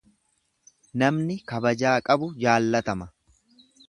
Namni kabajaa qabu jaallatama.